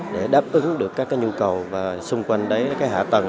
để đáp ứng được các nhu cầu và xung quanh đấy hạ tầng